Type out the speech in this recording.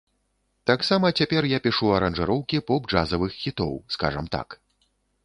Таксама цяпер я пішу аранжыроўкі поп-джазавых хітоў, скажам так.